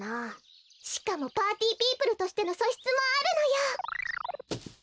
しかもパーティーピープルとしてのそしつもあるのよ。